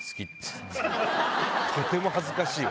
とても恥ずかしいわ。